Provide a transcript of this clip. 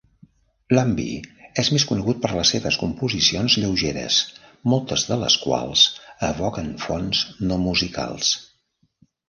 Lumbye és més conegut per les seves composicions lleugeres, moltes de les quals evoquen fonts no musicals.